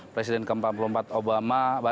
presiden ke empat puluh empat obama